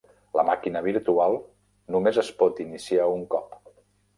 La màquina virtual només es pot iniciar un cop.